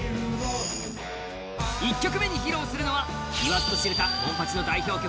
１曲目に披露するのは言わずと知れたモンパチの代表曲